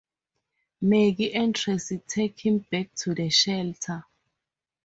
Maggie and Tracy take him back to the shelter.